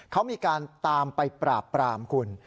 เขามีการตามไปปราบปรามคุณ